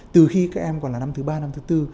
từ khi các em còn là năm thứ ba năm thứ tư